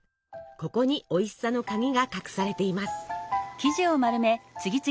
ここにおいしさの鍵が隠されています。